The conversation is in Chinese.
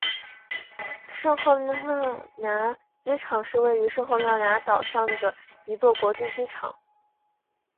圣赫勒拿机场是位于圣赫勒拿岛上的一座国际机场。